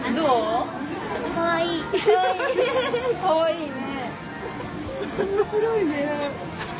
かわいいね。